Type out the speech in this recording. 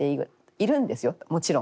いるんですよもちろん。